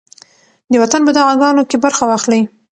د وطن په دعاګانو کې برخه واخلئ.